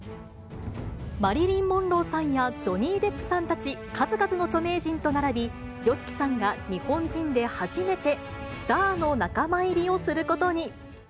マリリン・モンローさんやジョニー・デップさんたち、数々の著名人と並び、ＹＯＳＨＩＫＩさんが日本人で初めて、スターの仲間入りをすることに。